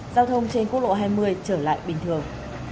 giao thông trên quốc lộ hai mươi trở lại bình thường